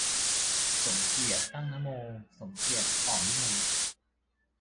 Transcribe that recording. สมเกียรติ ตั้งนโม สมเกียรติ อ่อนวิมล